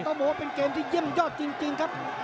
โอ้โหเป็นแกมที่เยี่ยมยอดจริงครับ